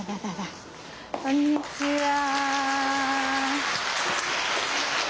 こんにちは。